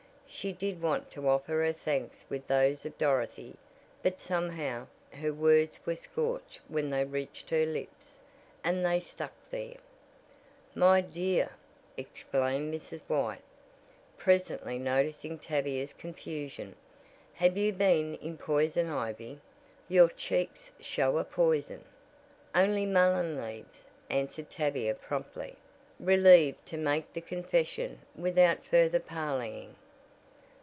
She did want to offer her thanks with those of Dorothy, but somehow, her words were scorched when they reached her lips, and they "stuck there." "My dear," exclaimed Mrs. White, presently noticing Tavia's confusion. "Have you been in poison ivy? Your cheeks show a poison!" "Only mullen leaves," answered Tavia promptly, relieved to have made the confession without further parleying.